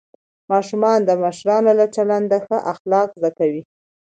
ماشومان د مشرانو له چلنده ښه اخلاق زده کوي